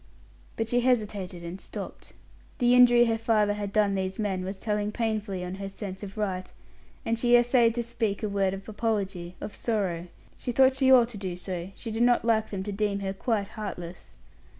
But she hesitated and stopped. The injury her father had done these men was telling painfully on her sense of right, and she essayed to speak a word of apology, of sorrow; she thought she ought to do so; she did not like them to deem her quite heartless.